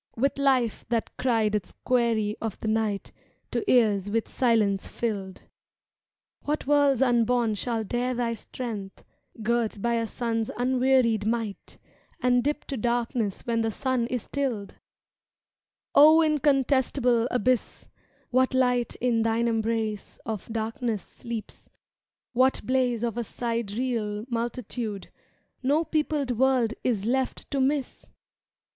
With life that cried its query of the night To ears with silence filled! ^^ What worlds unborn shall dare thy strength, ^y Girt by a sun's unwearied might. And dip to darkness when the sun is stilled! O incontestable Abyss, What light in thine embrace of darkness sleeps— What blaze of a sidereal multitude ^^ No peopled world is left to miss!